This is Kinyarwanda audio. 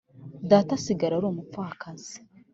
data asigara ari umupfakazi